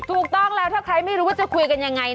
ถูกต้องแล้วถ้าใครไม่รู้ว่าจะคุยกันยังไง